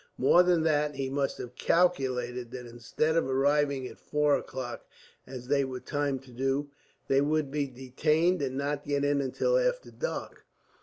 More than that, he must have calculated that instead of arriving at four o'clock, as they were timed to do, they would be detained and not get in until after dark.